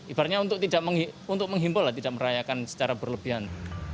ibaratnya untuk menghimpul tidak merayakan secara berlebihan